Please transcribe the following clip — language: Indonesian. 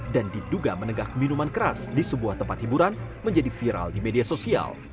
dan diduga menegak minuman keras di sebuah tempat hiburan menjadi viral di media sosial